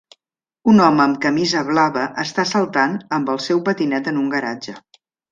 Un home amb camisa blava està saltant amb el seu patinet en un garatge.